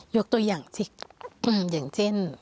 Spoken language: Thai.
ยกตัวอย่างเช่น